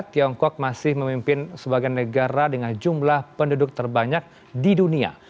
tiongkok masih memimpin sebagai negara dengan jumlah penduduk terbanyak di dunia